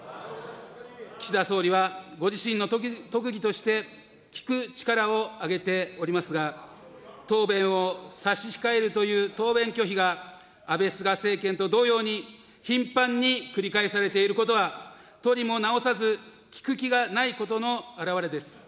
岸田総理はご自身の特技として、聞く力を挙げておりますが、答弁を差し控えるという答弁拒否が安倍・菅政権と同様に頻繁に繰り返されていることは、とりもなおさず聞く気がないことの表れです。